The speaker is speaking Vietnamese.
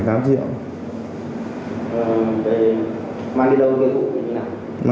về mang đi đâu gây vụ như thế nào